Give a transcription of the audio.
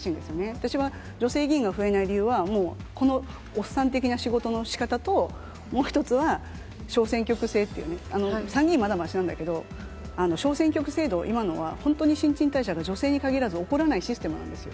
私は女性議員が増えない理由は、もう、このおっさん的な仕事のしかたと、もう一つは、小選挙区制っていう、参議院はまだましなんだけど、小選挙区制度、今のは本当に新陳代謝が女性に限らず、起こらないシステムなんですよ。